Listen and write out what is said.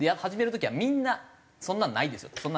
始める時はみんなそんなのないですよと。